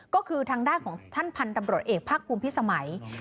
ก็คือทางด้านของพันธตำรสเอกภักษ์ภูมิพิศไสมัย